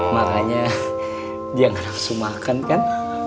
marahnya dia gak nafsu makan kan